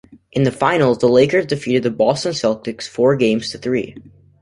In the finals, the Lakers defeated the Boston Celtics, four games to three.